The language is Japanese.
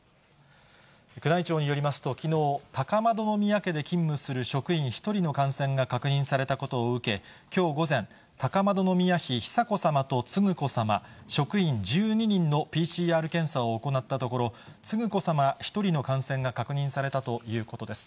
宮内庁によりますと、きのう、高円宮家で勤務する職員１人の感染が確認されたことを受け、きょう午前、高円宮妃久子さまと承子さま、職員１２人のＰＣＲ検査を行ったところ、承子さま１人の感染が確認されたということです。